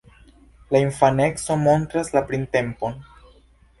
La infaneco montras la printempon.